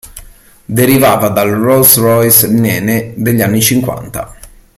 Derivava dal Rolls-Royce Nene degli anni cinquanta.